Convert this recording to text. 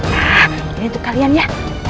nah ini tuh kalian ya